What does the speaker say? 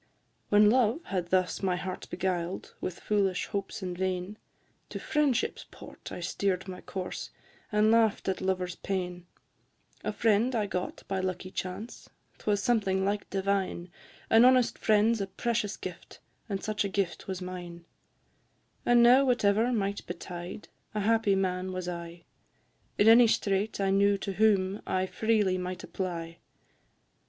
When love had thus my heart beguiled With foolish hopes and vain; To friendship's port I steer'd my course, And laugh'd at lovers' pain; A friend I got by lucky chance, 'Twas something like divine, An honest friend 's a precious gift, And such a gift was mine; And now whatever might betide A happy man was I, In any strait I knew to whom I freely might apply.